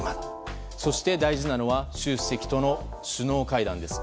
そして大事なのは習主席との首脳会談です。